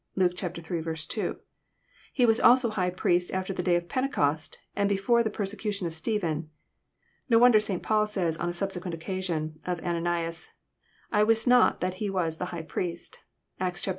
(Luke iii. 2.) He was also high priest after the Day of Pentecost, and be/ore the persecution of Stephen. Ko wonder St. Paul says, on a subsequent occasion, of Ananias, " I Wist not that he was the high priest," (Actt« xxiii. 2.)